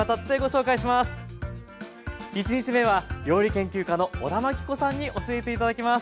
１日目は料理研究家の小田真規子さんに教えて頂きます。